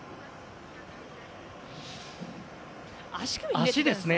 足ですね。